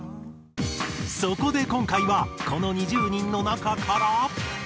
そこで今回はこの２０人の中から。